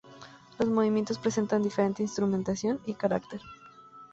Los movimientos presentan diferente instrumentación y carácter.